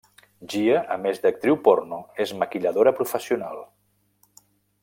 Gia, a més d'actriu porno és maquilladora professional.